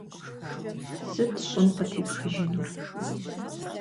Сыт щӏым къытепхыжынур?